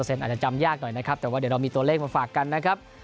อาจจะจำยากหน่อยนะครับแต่ว่าเดี๋ยวเรามีตัวเลขมาฝากกันนะครับ